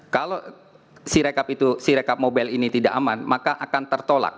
kalau si rekap itu si rekap mobile ini tidak aman maka akan tertolak